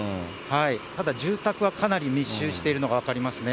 ただ、住宅はかなり密集しているのが分かりますね。